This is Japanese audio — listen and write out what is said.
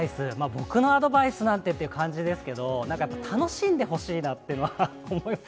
僕のアドバイスなんてっていう感じですけど、なんか楽しんでほしいなっていうのは思います。